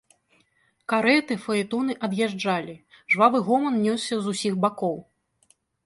Карэты, фаэтоны ад'язджалі, жвавы гоман нёсся з усіх бакоў.